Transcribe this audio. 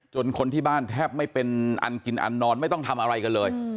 คนที่บ้านแทบไม่เป็นอันกินอันนอนไม่ต้องทำอะไรกันเลย